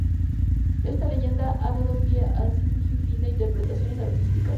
Esta leyenda ha dado pie a un sinfín de interpretaciones artísticas.